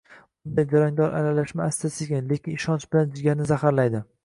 Bunday jarangdor aralashma asta-sekin, lekin ishonch bilan jigarni zaharlaydi.